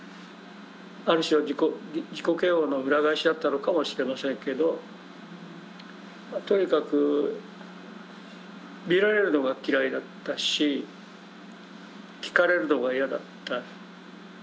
ある種の自己嫌悪の裏返しだったのかもしれませんけどとにかく見られるのが嫌いだったし聞かれるのが嫌だった。